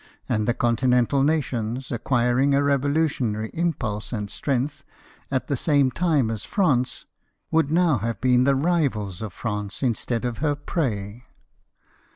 55 and the Continental nations, acquiring a revolutionary impulse and strength, at the same time as France, woidd now have been the rivals of France, instead of her prey.